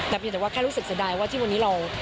แต่เพียงแต่ว่าแค่รู้สึกเสียดายว่าที่วันนี้เรา